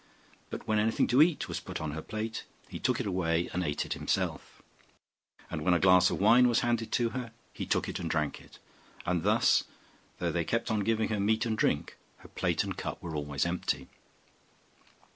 But when anything to eat was put upon her plate, he took it away and ate it himself; and when a glass of wine was handed to her, he took it and drank it; and thus, though they kept on giving her meat and drink, her plate and cup were always empty.